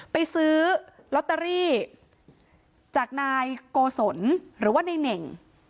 ไปซื้อลอตเตอรี่จากนายโกศลหรือว่าในเน่ง